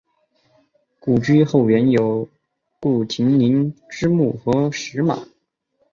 故居后园有顾亭林之墓和石马。